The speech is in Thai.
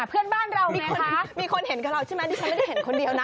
เพื่อนบ้านเราไงคะมีคนเห็นกับเราใช่ไหมดิฉันไม่ได้เห็นคนเดียวนะ